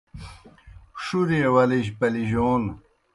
ݜُریْئے ولِجیْ پلیجون